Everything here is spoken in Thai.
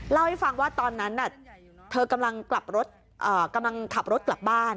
เล่าให้ฟังว่าตอนนั้นเธอกำลังขับรถกลับบ้าน